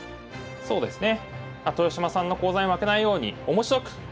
そうですね。